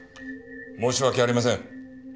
申し訳ありません。